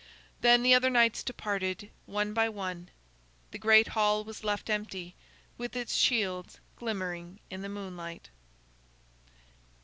Then the other knights departed, one by one, and the great hall was left empty, with its shields glimmering in the moonlight.